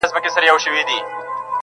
د خور او مور له ګریوانونو سره لوبي کوي.!